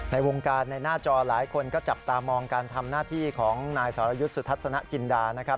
ในวงการในหน้าจอหลายคนก็จับตามองการทำหน้าที่ของนายสรยุทธ์สุทัศนจินดานะครับ